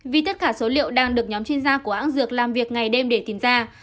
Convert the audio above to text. vì tất cả số liệu đang được nhóm chuyên gia của hãng dược làm việc ngày đêm để tìm ra